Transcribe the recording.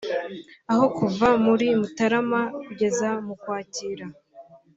aho kuva muri Mutarama kugeza mu Ukwakira